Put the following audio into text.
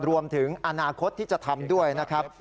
รวมถึงอนาคตที่จะทำด้วยนะครับ